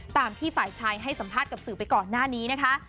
ตามที่ฝ่ายชายให้สัมภาษณ์กับสื่อไปก่อนหน้านี้นะคะ